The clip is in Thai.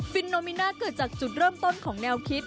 โนมิน่าเกิดจากจุดเริ่มต้นของแนวคิด